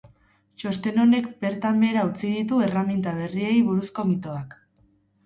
Txosten honek bertan behera utzi ditu erreminta berriei buruzko mitoak.